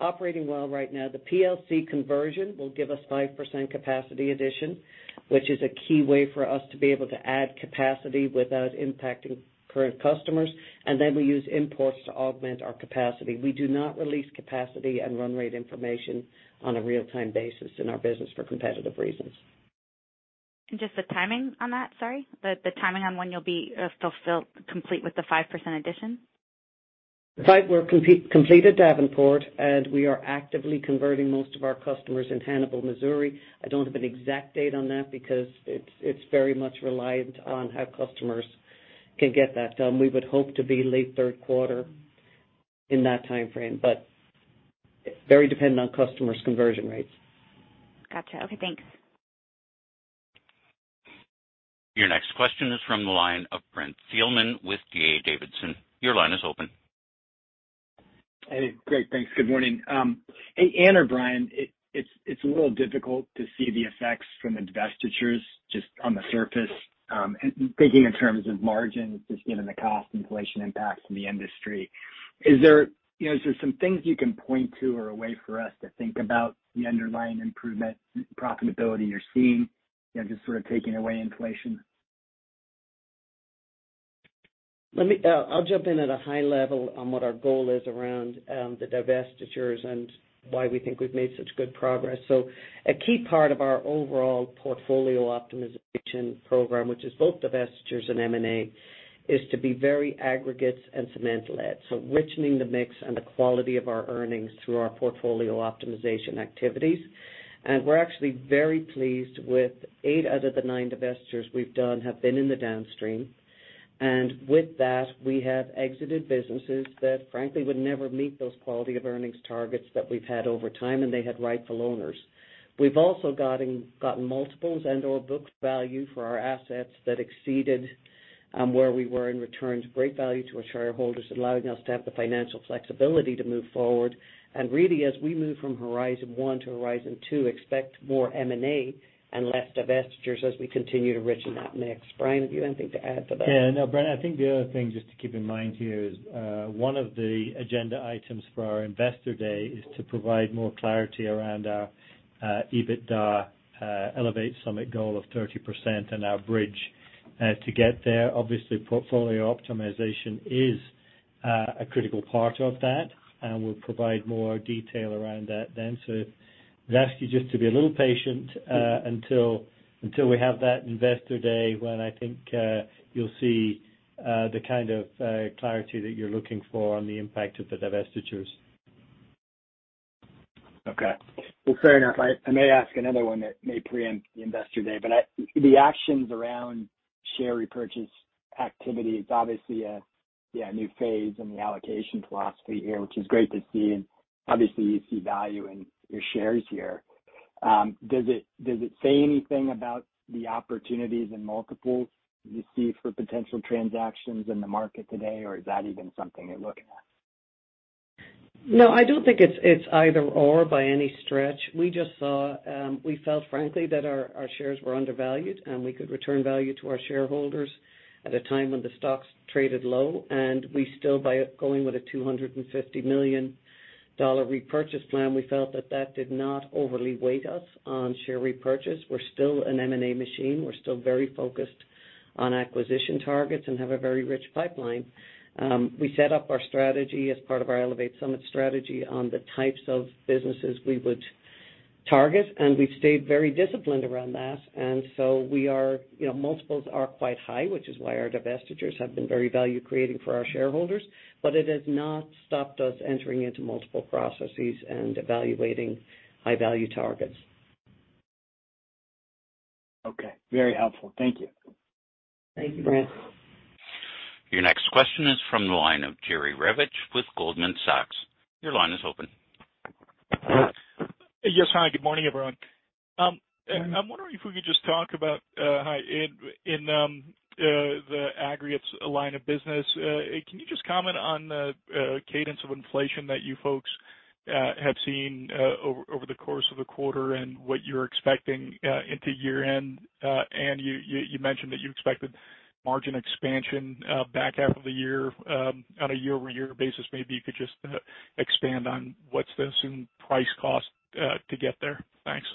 Operating well right now, the PLC conversion will give us 5% capacity addition, which is a key way for us to be able to add capacity without impacting current customers. Then we use imports to augment our capacity. We do not release capacity and run rate information on a real-time basis in our business for competitive reasons. Just the timing on that? Sorry. The timing on when you'll be fully complete with the 5% addition? The five were completed Davenport, and we are actively converting most of our customers in Hannibal, Missouri. I don't have an exact date on that because it's very much reliant on how customers can get that done. We would hope to be late third quarter in that timeframe, but very dependent on customers' conversion rates. Gotcha. Okay thanks. Your next question is from the line of Brent Thielman with D.A. Davidson. Your line is open. Hey. Great, thanks. Good morning. Hey, Anne or Brian, it's a little difficult to see the effects from divestitures just on the surface, and thinking in terms of margins, just given the cost inflation impacts in the industry. Is there, you know, is there some things you can point to or a way for us to think about the underlying improvement profitability you're seeing just sort of taking away inflation? I'll jump in at a high level on what our goal is around the divestitures and why we think we've made such good progress. A key part of our overall portfolio optimization program, which is both divestitures and M&A, is to be very aggregates and cement-led, so richening the mix and the quality of our earnings through our portfolio optimization activities. We're actually very pleased with eight out of the nine divestitures we've done have been in the downstream. With that, we have exited businesses that frankly would never meet those quality of earnings targets that we've had over time, and they had rightful owners. We've also gotten multiples and/or book value for our assets that exceeded where we were in returns. Great value to our shareholders, allowing us to have the financial flexibility to move forward. Really, as we move from Horizon One to Horizon Two, expect more M&A and less divestitures as we continue to richen that mix. Brian, have you anything to add to that? Yeah. No, Brent, I think the other thing just to keep in mind here is one of the agenda items for our investor day is to provide more clarity around our EBITDA Elevate Summit goal of 30% and our bridge to get there. Obviously, portfolio optimization is a critical part of that, and we'll provide more detail around that then. We'd ask you just to be a little patient until we have that investor day when I think you'll see the kind of clarity that you're looking for on the impact of the divestitures. Okay. Well, fair enough. I may ask another one that may preempt the investor day, but the actions around share repurchase activity, it's obviously a new phase in the allocation philosophy here, which is great to see. Obviously you see value in your shares here. Does it say anything about the opportunities and multiples you see for potential transactions in the market today, or is that even something you're looking at? No, I don't think it's either/or by any stretch. We just felt, frankly, that our shares were undervalued, and we could return value to our shareholders at a time when the stock traded low. We still by going with a $250 million repurchase plan, we felt that did not overly weigh us on share repurchase. We're still an M&A machine. We're still very focused on acquisition targets and have a very rich pipeline. We set up our strategy as part of our Elevate Summit strategy on the types of businesses we would target, and we've stayed very disciplined around that. We are, you know, multiples are quite high, which is why our divestitures have been very value-creating for our shareholders. It has not stopped us entering into multiple processes and evaluating high value targets. Okay. Very helpful. Thank you. Thank you Brent. Your next question is from the line of Jerry Revich with Goldman Sachs. Your line is open. Yes. Hi, good morning, everyone. I'm wondering if we could just talk about the aggregates line of business. Can you just comment on cadence of inflation that you folks have seen over the course of the quarter and what you're expecting into year-end? You mentioned that you expected margin expansion back half of the year on a year-over-year basis. Maybe you could just expand on what's the assumed price cost to get there? Thanks.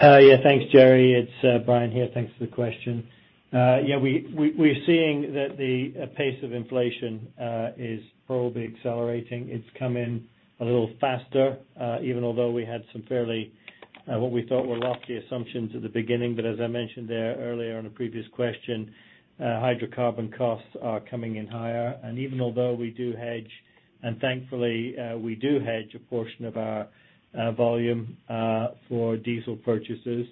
Yeah, thanks, Jerry. It's Brian here. Thanks for the question. Yeah, we're seeing that the pace of inflation is probably accelerating. It's come in a little faster, even although we had some fairly, what we thought were rocky assumptions at the beginning. As I mentioned there earlier in a previous question, hydrocarbon costs are coming in higher. Even although we do hedge, and thankfully, we do hedge a portion of our volume for diesel purchases,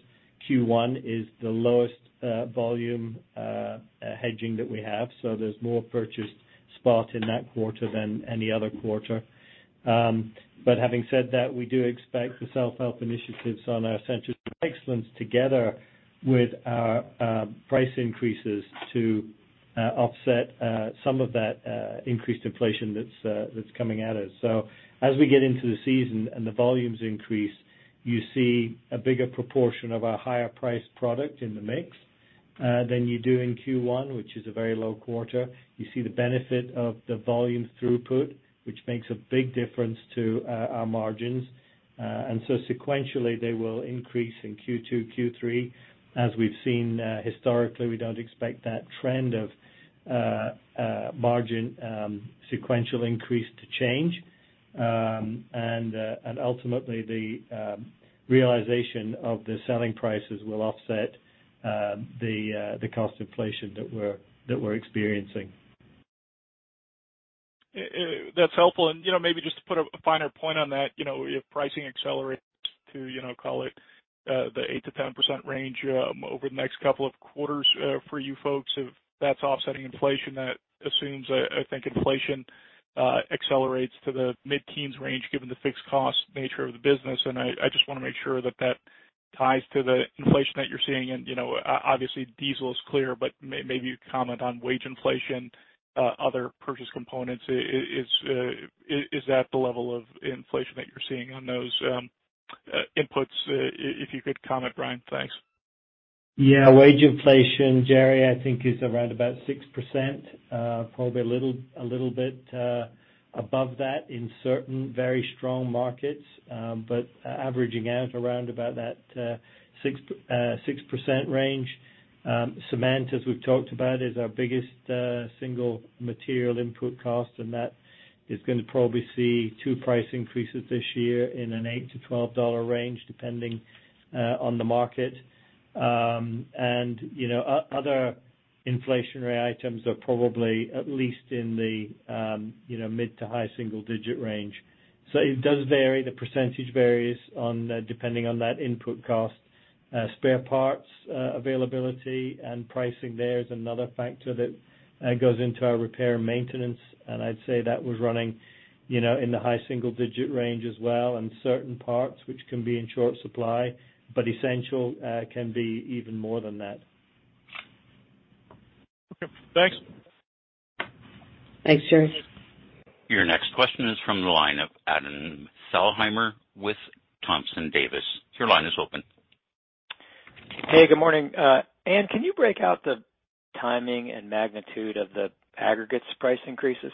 Q1 is the lowest volume hedging that we have, so there's more purchased spot in that quarter than any other quarter. Having said that, we do expect the self-help initiatives on our centers of excellence together with our price increases to offset some of that increased inflation that's coming at us. As we get into the season and the volumes increase, you see a bigger proportion of our higher priced product in the mix than you do in Q1, which is a very low quarter. You see the benefit of the volume throughput, which makes a big difference to our margins. Sequentially, they will increase in Q2, Q3. As we've seen historically, we don't expect that trend of margin sequential increase to change. Ultimately the realization of the selling prices will offset the cost inflation that we're experiencing. That's helpful. You know, maybe just to put a finer point on that, you know, if pricing accelerates to, you know, call it, the 8%-10% range, over the next couple of quarters, for you folks, if that's offsetting inflation, that assumes I think inflation accelerates to the mid-teens range given the fixed cost nature of the business. I just wanna make sure that that ties to the inflation that you're seeing. You know, obviously diesel is clear, but maybe you comment on wage inflation, other purchase components. Is that the level of inflation that you're seeing on those inputs? If you could comment, Brian. Thanks. Yeah. Wage inflation, Jerry, I think is around about 6%, probably a little bit above that in certain very strong markets, but averaging out around about that 6% range. Cement, as we've talked about, is our biggest single material input cost, and that is gonna probably see two price increases this year in an $8-$12 range, depending on the market. And other inflationary items are probably at least in the mid to high single-digit range. It does vary. The percentage varies on depending on that input cost. Spare parts availability and pricing there is another factor that goes into our repair and maintenance. I'd say that was running, you know, in the high single-digit range as well, and certain parts which can be in short supply, but essential, can be even more than that. Okay, thanks. Thanks Jerry. Your next question is from the line of Adam Thalhimer with Thompson Davis. Your line is open. Hey, good morning. Anne, can you break out the timing and magnitude of the aggregates price increases?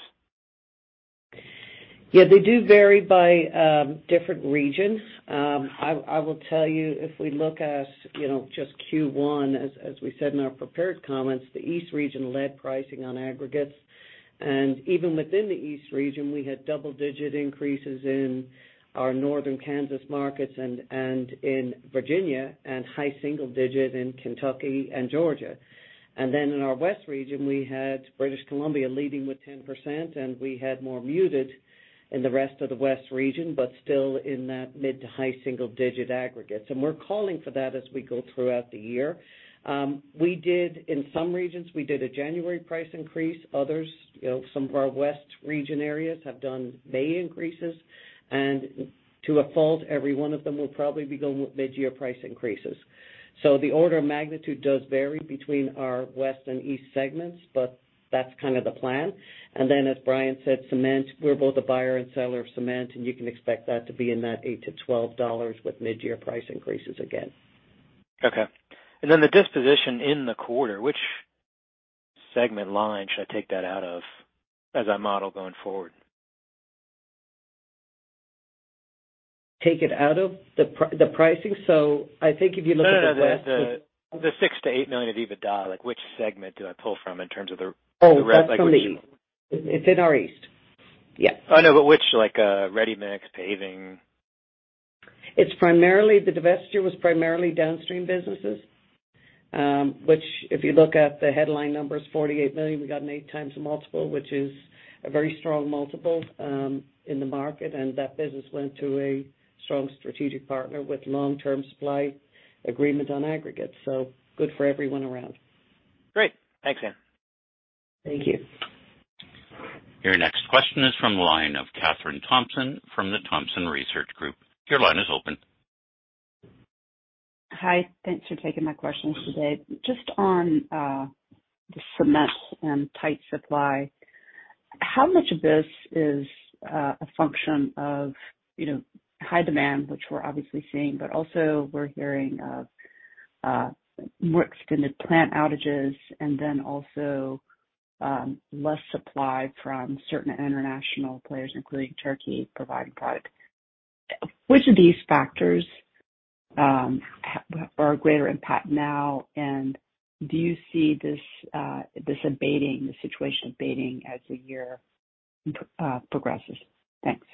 Yeah, they do vary by different regions. I will tell you, if we look at, you know, just Q1, as we said in our prepared comments, the East region led pricing on aggregates. Even within the East region, we had double-digit increases in our northern Kansas markets and in Virginia and high single digit in Kentucky and Georgia. Then in our West region, we had British Columbia leading with 10%, and we had more muted in the rest of the West region, but still in that mid to high single-digit aggregates. We're calling for that as we go throughout the year. In some regions, we did a January price increase. Others, you know, some of our West region areas have done May increases. To a fault, every one of them will probably be going with mid-year price increases. So the order of magnitude does vary between our West and East segments, but that's kind of the plan. As Brian said, cement, we're both a buyer and seller of cement, and you can expect that to be in that $8-$12 with mid-year price increases again. Okay. The disposition in the quarter, which segment line should I take that out of as I model going forward? Take it out of the pricing? I think if you look at... No, no. The $6 million-$8 million of EBITDA, like which segment do I pull from in terms of the? Oh, that's from the East. It's in our East. Yeah. I know, but which, like, ready-mix, paving? It's primarily the divestiture was primarily downstream businesses, which if you look at the headline numbers, $48 million, we got an 8x multiple, which is a very strong multiple, in the market. That business went to a strong strategic partner with long-term supply agreement on aggregate. Good for everyone around. Great. Thanks Anne. Thank you. Your next question is from the line of Kathryn Thompson from the Thompson Research Group. Your line is open. Hi. Thanks for taking my questions today. Just on the cement and tight supply, how much of this is a function of, you know, high demand, which we're obviously seeing, but also we're hearing of more extended plant outages and then also less supply from certain international players, including Turkey, providing product. Which of these factors are greater impact now, and do you see this abating, the situation abating as the year progresses? Thanks.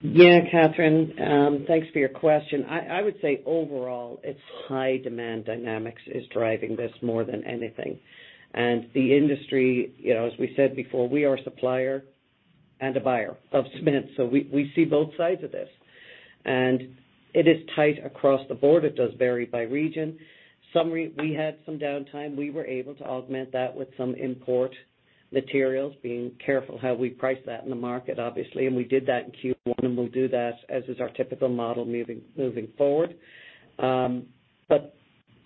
Yeah. Kathryn, thanks for your question. I would say overall it's high demand dynamics is driving this more than anything. The industry, you know, as we said before, we are a supplier and a buyer of cement, so we see both sides of this. It is tight across the board. It does vary by region. We had some downtime, we were able to augment that with some import materials, being careful how we price that in the market, obviously, and we did that in Q1, and we'll do that as is our typical model moving forward.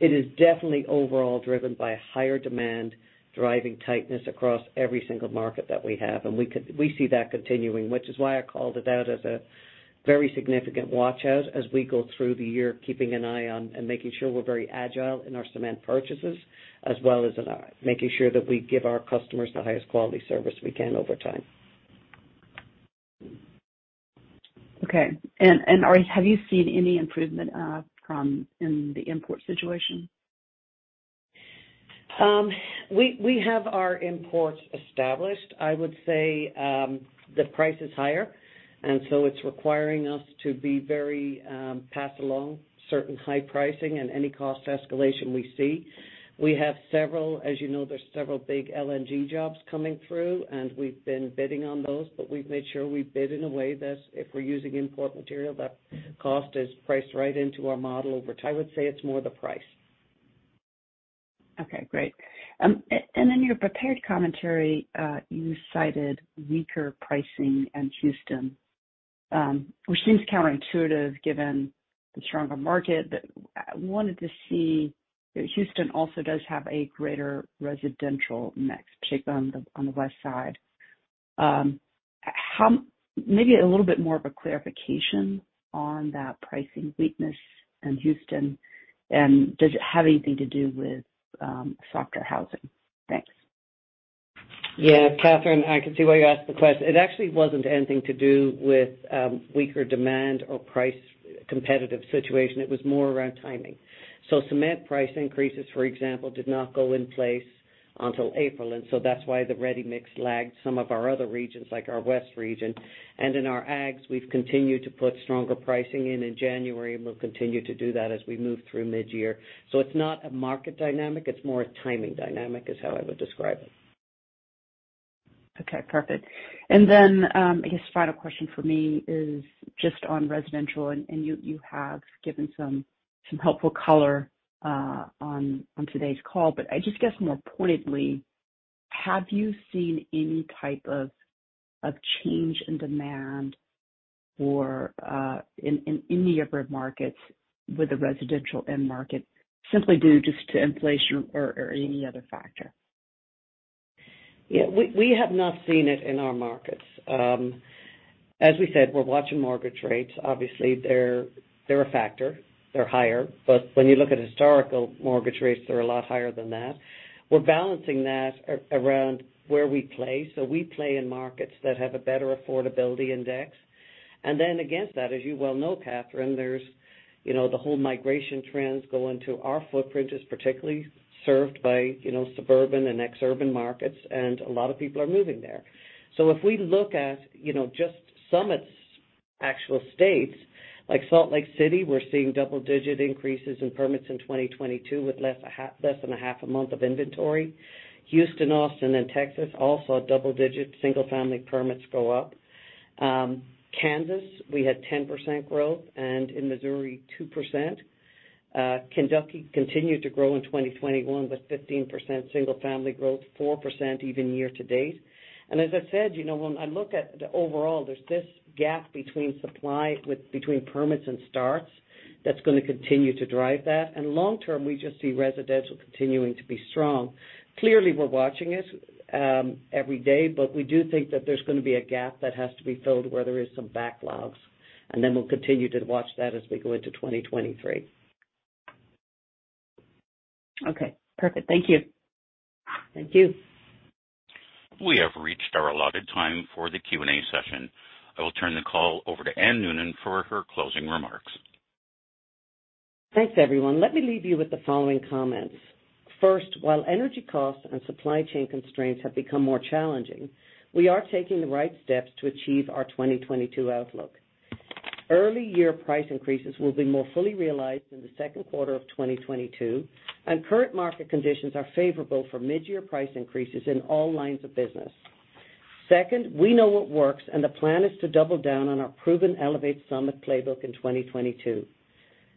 It is definitely overall driven by higher demand driving tightness across every single market that we have. We see that continuing, which is why I called it out as a very significant watch out as we go through the year, keeping an eye on and making sure we're very agile in our cement purchases, as well as in our making sure that we give our customers the highest quality service we can over time. Okay. Have you seen any improvement from in the import situation? We have our imports established. I would say the price is higher, and so it's requiring us to pass along certain high pricing and any cost escalation we see. We have several, as you know, there's several big LNG jobs coming through, and we've been bidding on those, but we've made sure we bid in a way that if we're using import material, that cost is priced right into our model over time. I would say it's more the price. Okay, great. In your prepared commentary, you cited weaker pricing in Houston, which seems counterintuitive given the stronger market, but I wanted to see, Houston also does have a greater residential mix, particularly on the west side. Maybe a little bit more of a clarification on that pricing weakness in Houston and does it have anything to do with softer housing? Thanks. Yeah. Kathryn, I can see why you asked the question. It actually wasn't anything to do with weaker demand or price competitive situation. It was more around timing. Cement price increases, for example, did not go in place until April, and that's why the ready-mix lagged some of our other regions, like our West region. In our ags, we've continued to put stronger pricing in January, and we'll continue to do that as we move through mid-year. It's not a market dynamic, it's more a timing dynamic is how I would describe it. Okay, perfect. I guess final question for me is just on residential, and you have given some helpful color on today's call. I just guess more pointedly, have you seen any type of change in demand in any of your markets with the residential end market simply due just to inflation or any other factor? Yeah. We have not seen it in our markets. As we said, we're watching mortgage rates. Obviously they're a factor. They're higher. When you look at historical mortgage rates, they're a lot higher than that. We're balancing that around where we play, so we play in markets that have a better affordability index. Against that, as you well know, Kathryn, there's you know the whole migration trends go into our footprint is particularly served by you know suburban and exurban markets, and a lot of people are moving there. If we look at you know just Summit's actual states, like Salt Lake City, we're seeing double digit increases in permits in 2022 with less than a half a month of inventory. Houston, Austin, and Texas also had double-digit single family permits go up. Kansas, we had 10% growth, and in Missouri, 2%. Kentucky continued to grow in 2021 with 15% single-family growth, 4% year-to-date. As I said, you know, when I look at the overall, there's this gap between supply and between permits and starts that's gonna continue to drive that. Long term, we just see residential continuing to be strong. Clearly, we're watching it every day, but we do think that there's gonna be a gap that has to be filled where there is some backlogs, and then we'll continue to watch that as we go into 2023. Okay. Perfect. Thank you. Thank you. We have reached our allotted time for the Q&A session. I will turn the call over to Anne Noonan for her closing remarks. Thanks, everyone. Let me leave you with the following comments. First, while energy costs and supply chain constraints have become more challenging, we are taking the right steps to achieve our 2022 outlook. Early year price increases will be more fully realized in the second quarter of 2022, and current market conditions are favorable for mid-year price increases in all lines of business. Second, we know what works, and the plan is to double down on our proven Elevate Summit playbook in 2022.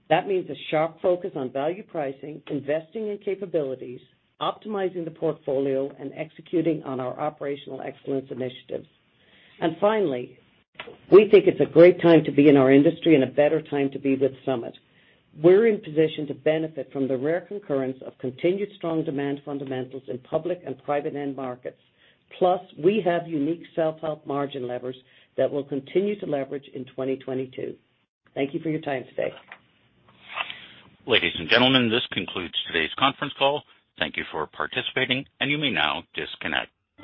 That means a sharp focus on value pricing, investing in capabilities, optimizing the portfolio, and executing on our operational excellence initiatives. Finally, we think it's a great time to be in our industry and a better time to be with Summit. We're in position to benefit from the rare concurrence of continued strong demand fundamentals in public and private end markets. Plus, we have unique self-help margin levers that we'll continue to leverage in 2022. Thank you for your time today. Ladies and gentlemen, this concludes today's conference call. Thank you for participating, and you may now disconnect.